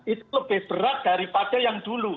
itu lebih berat daripada yang dulu